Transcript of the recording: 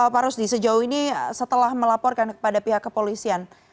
pak rusdi sejauh ini setelah melaporkan kepada pihak kepolisian